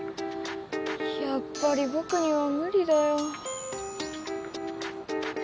やっぱりぼくには無理だよ。